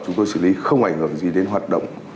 chúng tôi xử lý không ảnh hưởng gì đến hoạt động